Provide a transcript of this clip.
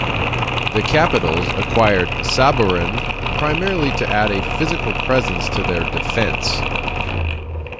The Capitals acquired Sabourin primarily to add a physical presence to their defence.